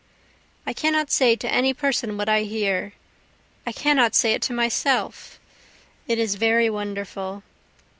I cannot say to any person what I hear I cannot say it to myself it is very wonderful.